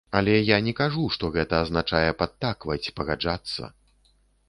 Але я не кажу, што гэта азначае падтакваць, пагаджацца.